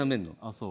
そう？